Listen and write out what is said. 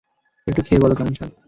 একটু খেয়ে বলো কেমন স্বাদ।